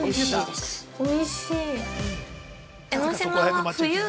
◆おいしい。